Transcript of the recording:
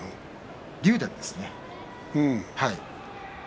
竜電ですよ。